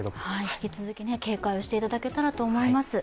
引き続き警戒をしていただけたらと思います。